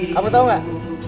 kamu tau gak